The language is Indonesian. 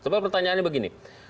soalnya pertanyaannya begini